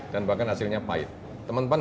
dan bahkan hasilnya pahit teman teman